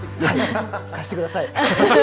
貸してください。